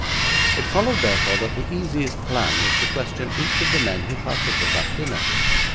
It followed, therefore, that the easiest plan was to question each of the men who partook of that dinner.